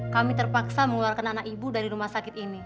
kami terpaksa mengeluarkan anak ibu dari rumah sakit ini